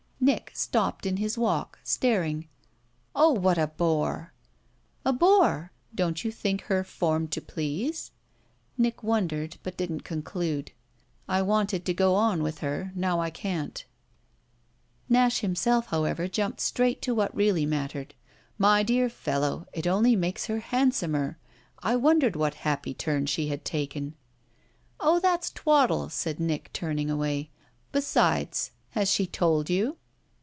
Nick stopped in his walk, staring. "Ah, what a bore!" "A bore? Don't you think her formed to please?" Nick wondered, but didn't conclude. "I wanted to go on with her now I can't." Nash himself, however, jumped straight to what really mattered. "My dear fellow, it only makes her handsomer. I wondered what happy turn she had taken." "Oh, that's twaddle," said Nick, turning away. "Besides, has she told you?"